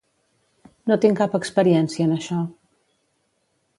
No tinc cap experiència en això.